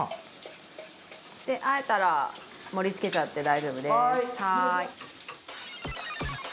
で和えたら盛り付けちゃって大丈夫です。